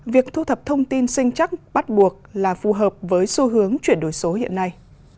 việc thu thập thông tin sinh chắc bắt buộc là phù hợp với xu hướng chuyển đổi số hiện nay